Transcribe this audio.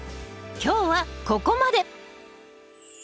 今日はここまで！